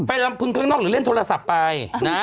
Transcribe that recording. ลำพึงข้างนอกหรือเล่นโทรศัพท์ไปนะ